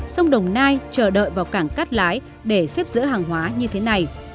sông đồng nai chờ đợi vào cảng cắt lái để xếp dỡ hàng hóa như thế này